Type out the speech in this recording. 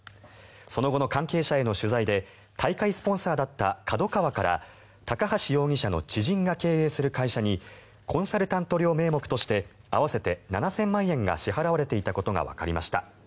その後の関係者への取材で大会スポンサーだったＫＡＤＯＫＡＷＡから高橋容疑者の知人が経営する会社にコンサルタント料名目として合わせて７０００万円が支払われていたことがわかりました。